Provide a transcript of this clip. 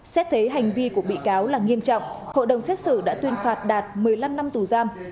xét thấy hành vi của bị cáo là nghiêm trọng hội đồng xét xử đã tuyên phạt đạt một mươi năm năm tù giam